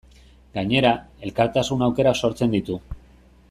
Gainera, elkartasun aukerak sortzen ditu.